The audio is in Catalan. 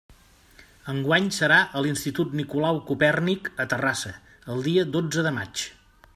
Enguany serà a l'Institut Nicolau Copèrnic a Terrassa, el dia dotze de maig.